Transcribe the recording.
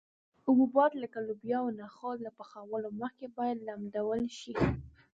حبوبات لکه لوبیا او نخود له پخولو مخکې باید لمدول شي.